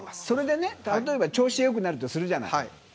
それでね、例えば調子がよくなるとするじゃない。